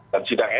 dan sidang etik